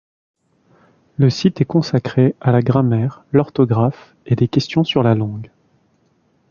Le site est consacré à la grammaire, l'orthographe et des questions sur la langue.